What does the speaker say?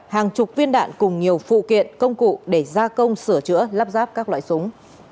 hàng chục viên đạn cùng nhiều phụ kiện công cụ để gia công sửa chữa lắp ráp các loại súng